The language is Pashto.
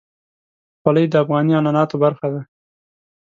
خولۍ د افغاني عنعناتو برخه ده.